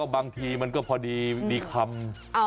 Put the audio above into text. บางทีมันคือพอดีคำ